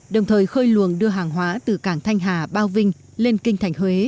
đồng thời khơi luồng đưa hàng hóa từ cảng thanh hà bao vinh lên kinh thành huế